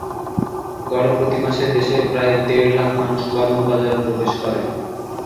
গড়ে প্রতি মাসে দেশে প্রায় দেড় লাখ মানুষ কর্মবাজারে প্রবেশ করে।